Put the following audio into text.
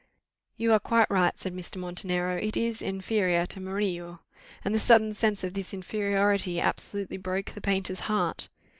"You are quite right," said Mr. Montenero; "it is inferior to Murillo, and the sudden sense of this inferiority absolutely broke the painter's heart.